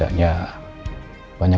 oh kan akhirnya